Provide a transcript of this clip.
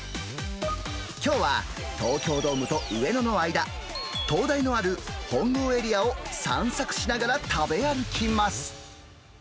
きょうは東京ドームと上野の間、東大のある本郷エリアを散策しながら食べ歩きます。